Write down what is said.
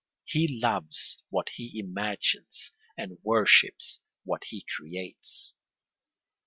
He loves what he imagines and worships what he creates.